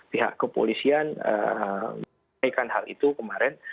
pihak kepolisian menaikkan hal itu kemarin